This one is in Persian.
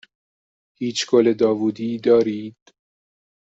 هیچ گل داوودی دارید؟